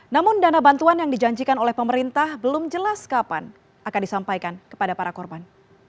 namun dana bantuan yang dijanjikan oleh pemerintah belum jelas kapan akan disampaikan kepada para korban